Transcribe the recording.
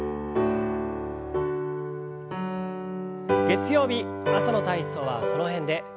月曜日朝の体操はこの辺で。